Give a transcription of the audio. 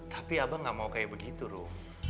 tapi abang gak mau kayak begitu loh